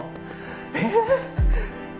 えっ？